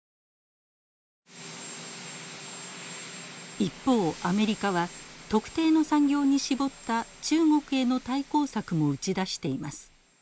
一方アメリカは特定の産業に絞った中国への対抗策も打ち出しています。